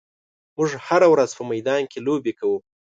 موږ هره ورځ په میدان کې لوبې کوو.